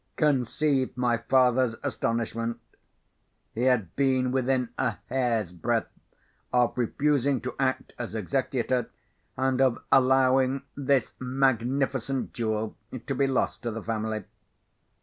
Conceive my father's astonishment! He had been within a hair's breadth of refusing to act as executor, and of allowing this magnificent jewel to be lost to the family.